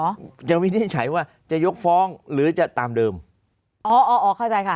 จะวินิจฉัยว่าจะยกฟ้องหรือจะตามเดิมอ๋ออ๋ออ๋อเข้าใจค่ะ